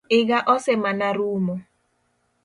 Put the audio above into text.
Iga ose mana rumo